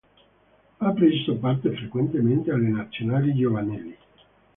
Ha preso parte frequentemente alle nazionali giovanili.